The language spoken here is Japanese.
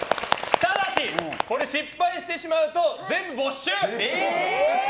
ただし、これ失敗してしまうと全部、没収！